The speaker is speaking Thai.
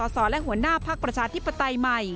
สอและหัวหน้าภักดิ์ประชาธิปไตยใหม่